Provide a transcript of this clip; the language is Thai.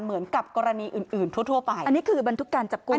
เหมือนกับกรณีอื่นอื่นทั่วไปอันนี้คือบันทึกการจับกลุ่ม